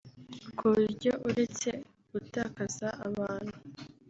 ku buryo uretse gutakaza abantu